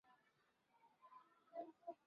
巴德孔勒潘。